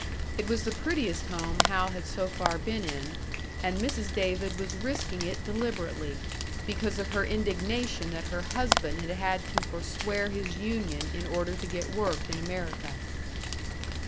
It was the prettiest home Hal had so far been in, and Mrs. David was risking it deliberately, because of her indignation that her husband had had to foreswear his union in order to get work in America.